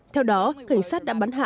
theo đó cảnh sát đã bắn hạ